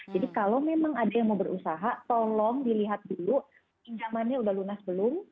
jadi kalau memang ada yang mau berusaha tolong dilihat dulu pinjamannya udah lunas belum